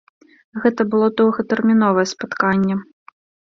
Гэта было доўгатэрміновае спатканне.